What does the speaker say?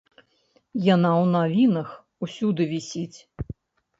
Яна ў навінах усюды вісіць.